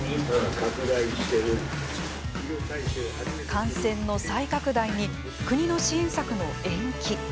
感染の再拡大に国の支援策の延期。